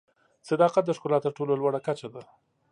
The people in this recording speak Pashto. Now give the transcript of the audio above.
صداقت د ښکلا تر ټولو لوړه کچه ده.